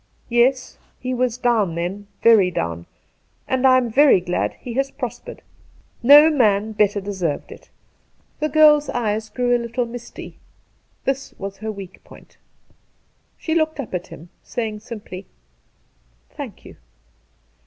' Yes, he was down then — very down ; and I am very glad he has prospered. No man better deserved it.' • 202 Two Christmas Days The girl's eyes grew a little misty' — this was her weak point. She looked up at him, saying simply: ' Thank you.'